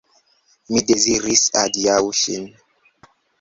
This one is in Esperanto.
Mi deziras adiaŭi ŝin.